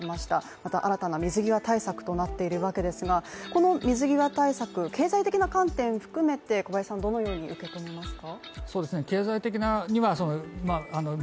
また新たな水際対策となっているわけですが、この水際対策、経済的な観点を含めて小林さんどのように受け止めますか。